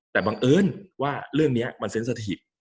แต่บังเอิญว่าเรื่องนี้มันเซ็นสถิต